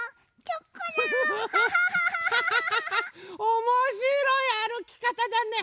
おもしろいあるきかただね。